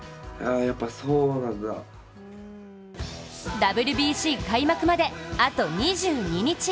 ＷＢＣ開幕まで、あと２２日。